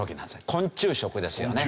昆虫食ですよね。